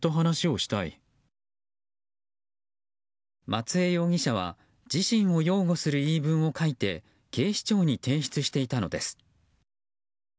松江容疑者は自身を擁護する言い分を書いて警視庁に提出していたのです。